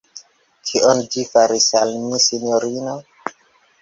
Kion ĝi faris al mi, sinjorino?